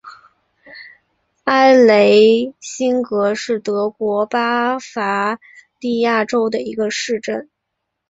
埃雷辛格是德国巴伐利亚州的一个市镇。